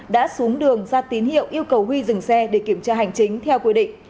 đã xuống đường ra tín hiệu yêu cầu huy dừng xe để kiểm tra hành chính theo quy định